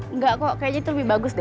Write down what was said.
enggak kok kayaknya itu lebih bagus deh